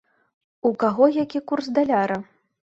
У каго які курс даляра?